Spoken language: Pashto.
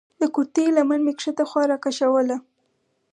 د کورتۍ لمن مې کښته خوا راکښوله.